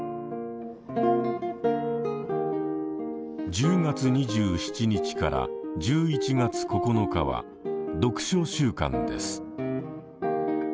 １０月２７日から１１月９日は読書週間です。